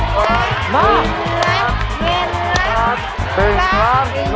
ปุ๊บ